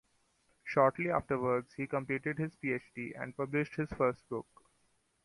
Shortly afterwards, he completed his PhD and published his first book.